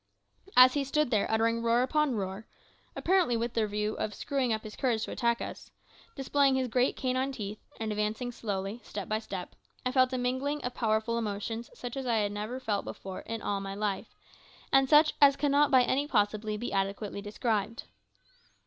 As he stood there uttering roar upon roar apparently with the view of screwing up his courage to attack us displaying his great canine teeth, and advancing slowly, step by step, I felt a mingling of powerful emotions such as I had never felt before in all my life, and such as cannot by any possibility be adequately described.